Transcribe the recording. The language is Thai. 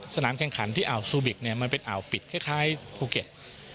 สนามแข่งขันที่อ่าวซูบิกเนี่ยมันเป็นอ่าวปิดคล้ายภูเก็ต